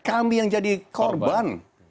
kami yang jadi korban